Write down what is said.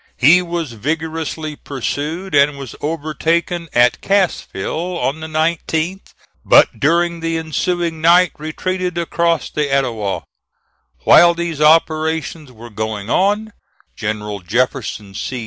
He was vigorously pursued, and was overtaken at Cassville on the 19th, but during the ensuing night retreated across the Etowah. While these operations were going on, General Jefferson C.